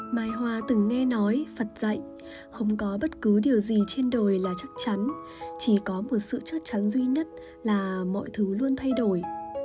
mai hoa từng nghe nói phật dạy không có bất cứ điều gì trên đồi là chắc chắn chỉ có một sự chắc chắn duy nhất là mọi thứ luôn thay đổi